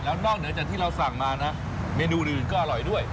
แล้วนอกเหนือจากที่เราสั่งมานะเมนูอื่นก็อร่อยด้วย